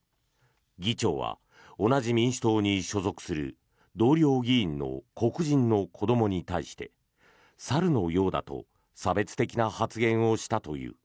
議長は同じ民主党に所属する同僚議員の黒人の子どもに対して猿のようだと差別的な発言をしたという。